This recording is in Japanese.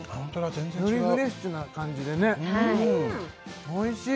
よりフレッシュな感じでねおいしい！